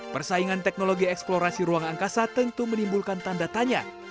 persaingan teknologi eksplorasi ruang angkasa tentu menimbulkan tanda tanya